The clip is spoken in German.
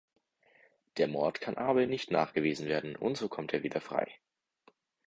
Der Mord kann Abel nicht nachgewiesen werden und so kommt er wieder frei.